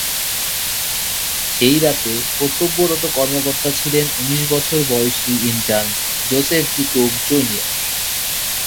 সেই রাতে কর্তব্যরত কর্মকর্তা ছিলেন উনিশ বছর বয়সী intern Joseph D Cook, junior.